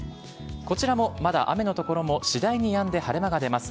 こちらもまだ雨の所も次第にやんで晴れ間が出ます。